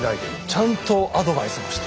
ちゃんとアドバイスもして。